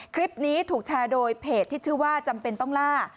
คลิปนี้ถูกแชร์โดยเพจที่ชื่อว่าจำเป็นต้องล่า